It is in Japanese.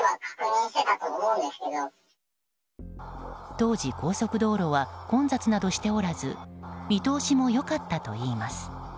当時、高速道路は混雑などしておらず見通しも良かったといいます。